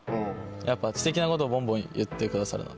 やっぱ知的なことぼんぼん言ってくださるので。